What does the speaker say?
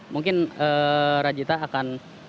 mungkin rajita akan